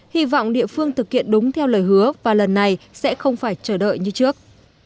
hy vọng địa phương thực hiện đúng theo lời hứa và lần này sẽ không phải chờ đợi như trước